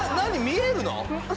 見えるの？